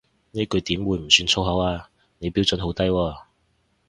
呢句點會唔算粗口啊，你標準好低喎